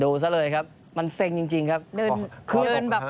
ดูซะเลยครับมันเซ็งจริงครับ